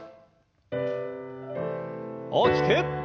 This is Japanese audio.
大きく。